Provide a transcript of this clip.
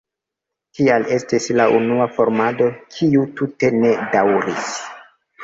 Tial estis la unua formado, kiu tute ne daŭris.